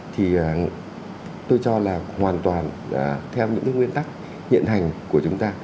thì tôi cho là hoàn toàn theo những cái nguyên tắc hiện hành của chúng ta